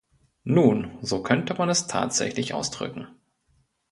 Nun, so könnte man es tatsächlich ausdrücken!